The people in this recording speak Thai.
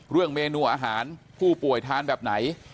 เรื่องเมนูอาหารผู้ป่วยทานแบบไหน